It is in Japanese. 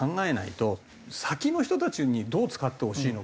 先の人たちにどう使ってほしいのか。